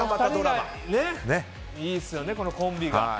いいですよね、このコンビが。